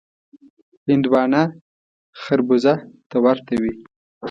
هندوانه خړبوزه ته ورته وي.